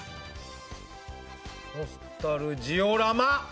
ノスタルジオラマ。